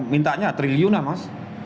mintanya triliun lah mas